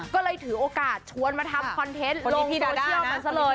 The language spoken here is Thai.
ก็เลยถือโอกาสชวนมาทำคอนเทนต์ลงโซเชียลมันซะเลย